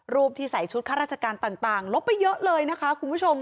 ที่ใส่ชุดข้าราชการต่างลบไปเยอะเลยนะคะคุณผู้ชม